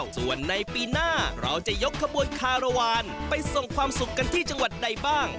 ส่วนในปีหน้าเราจะยกขบวนคารวาลไปส่งความสุขกันที่จังหวัดใดบ้าง